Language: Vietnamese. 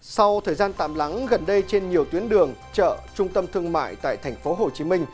sau thời gian tạm lắng gần đây trên nhiều tuyến đường chợ trung tâm thương mại tại tp hcm